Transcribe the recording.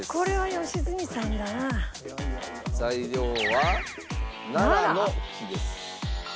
材料はナラの木です。